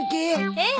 ええ。